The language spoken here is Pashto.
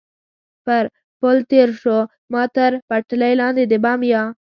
پر پل تېر شو، ما تر پټلۍ لاندې د بم یا.